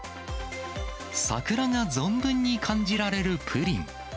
桜が存分に感じられるプリン。